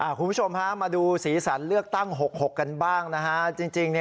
คุณผู้ชมฮะมาดูศรีษระเลือกตั้ง๖๖กันบ้างจรีง